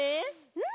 うん！